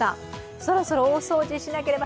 そろそろ大掃除しなければ。